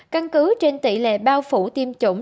căn cứ trên tỷ lệ bao phủ tiêm chủng